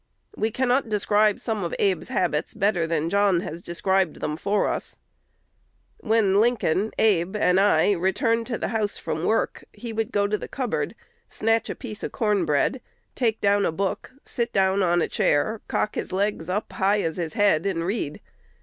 We cannot describe some of Abe's habits better than John has described them for us: "When Lincoln Abe and I returned to the house from work, he would go to the cupboard, snatch a piece of corn bread, take down a book, sit down on a chair, cock his legs up high as his head, and read.